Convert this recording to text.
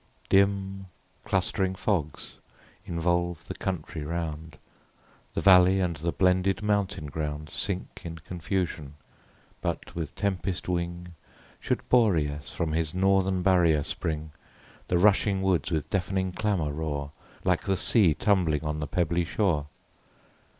Dim, clust'ring fogs involve the country round, The valley and the blended mountain ground Sink in confusion; but with tempest wing Should Boreas from his northern barrier spring, The rushing woods with deaf'ning clamour roar, Like the sea tumbling on the pebbly shore.